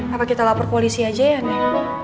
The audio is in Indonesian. apa kita lapor polisi aja ya nek